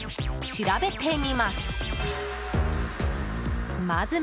調べてみます。